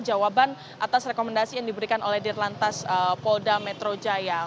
jawaban atas rekomendasi yang diberikan oleh dirlantas polda metro jaya